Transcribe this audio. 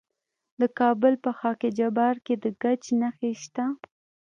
د کابل په خاک جبار کې د ګچ نښې شته.